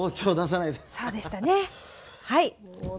そうでしたねはい。